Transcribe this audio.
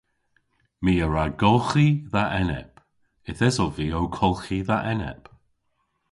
My a wra golghi dha enep. Yth esov vy ow kolghi dha enep.